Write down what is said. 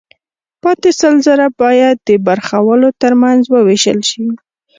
پاتې سل زره باید د برخوالو ترمنځ ووېشل شي